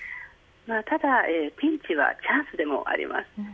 ただピンチはチャンスでもあります。